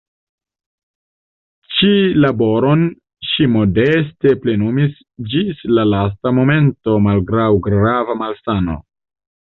Ĉi laboron ŝi modeste plenumis ĝis la lasta momento malgraŭ grava malsano.